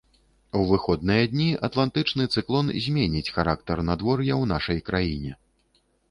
У выходныя дні атлантычны цыклон зменіць характар надвор'я ў нашай краіне.